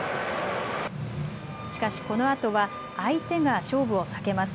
しかし、このあとは相手が勝負を避けます。